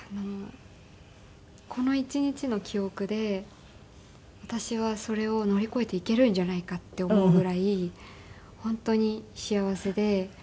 この一日の記憶で私はそれを乗り越えていけるんじゃないかって思うぐらい本当に幸せで。